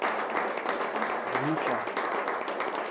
Не смей!